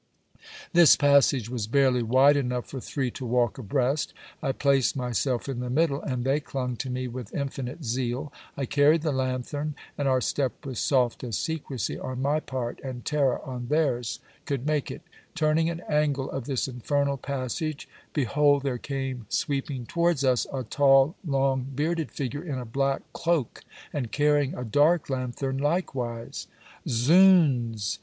This passage was barely wide enough for three to walk abreast. I placed myself in the middle; and they clung to me with infinite zeal. I carried the lanthern; and our step was soft as secresy on my part and terror on their's could make it. Turning an angle of this infernal passage, behold there came sweeping towards us a tall long bearded figure, in a black cloak, and carrying a dark lanthern likewise. Zounds!